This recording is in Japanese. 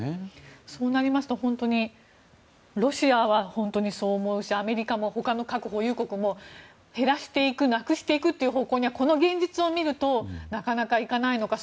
そうなると本当にロシアはそう思うしアメリカも他の核保有国も減らしていくなくしていくという方向にはこの現実を見ると、なかなかそうはいかないのか。